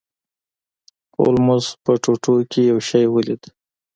هولمز په ټوټو کې یو شی ولید.